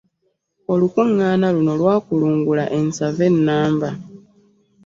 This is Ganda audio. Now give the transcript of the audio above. Olukuŋŋaana luno lwakulungula ensave nnamba.